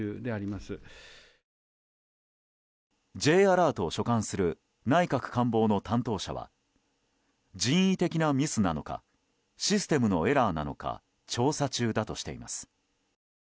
Ｊアラートを所管する内閣官房の担当者は人為的なミスなのかシステムのエラーなのか調査中だとしています。